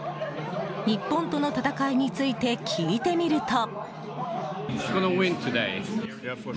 日本との戦いについて聞いてみると。